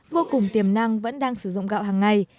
vô cùng tiềm năng vẫn đang sử dụng gạo hàng ngày